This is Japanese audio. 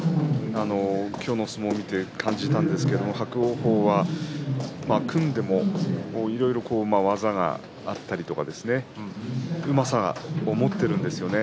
今日の相撲を見て感じたんですけれども伯桜鵬は組んでもいろいろ技があったりとかうまさを持っているんですよね。